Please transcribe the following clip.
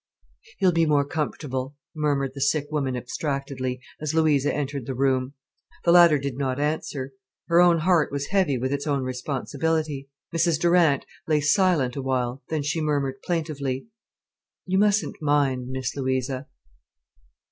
"He'll be more comfortable," murmured the sick woman abstractedly, as Louisa entered the room. The latter did not answer. Her own heart was heavy with its own responsibility. Mrs Durant lay silent awhile, then she murmured plaintively: "You mustn't mind, Miss Louisa."